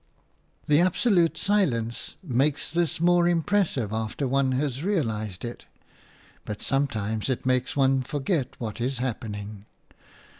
The absolute silence makes this more impressive after one has realised it, but sometimes it makes one forget what is happening.